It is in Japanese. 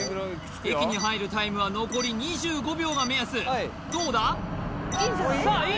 駅に入るタイムは残り２５秒が目安どうだ？